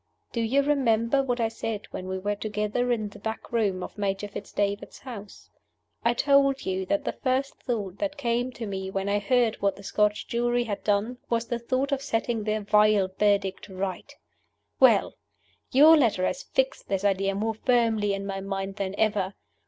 Do you remember what I said when we were together in the back room at Major Fitz David's house? I told you that the first thought that came to me, when I heard what the Scotch jury had done, was the thought of setting their vile Verdict right. Well! Your letter has fixed this idea more firmly in my mind than ever.